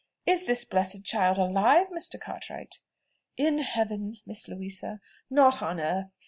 Is this blessed child alive, Mr. Cartwright?" "In heaven, Miss Louisa, not on earth.